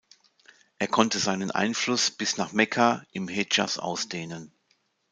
Er konnte seinen Einfluss bis nach Mekka im Hedschas ausdehnen.